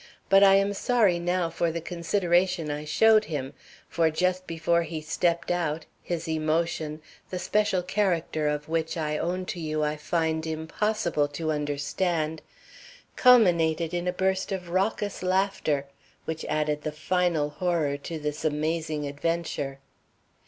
But I am sorry now for the consideration I showed him; for just before he stepped out, his emotion the special character of which, I own to you, I find impossible to understand culminated in a burst of raucous laughter which added the final horror to this amazing adventure.